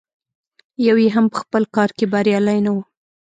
یو یې هم په خپل کار کې بریالی نه و.